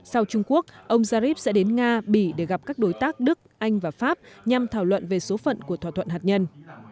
sau trung quốc ông zarif sẽ đến nga bỉ để gặp các đối tác đức anh và pháp nhằm thảo luận về số phận của thỏa thuận hạt nhân